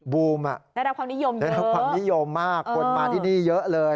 บูมอ่ะระดับความนิยมเยอะระดับความนิยมมากคนมาที่นี่เยอะเลย